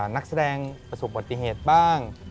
นักแสดงประสบปฏิเหตุบ้าง